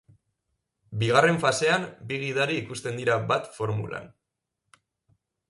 Bigarren fasean, bi gidari ikusten dira bat formulan.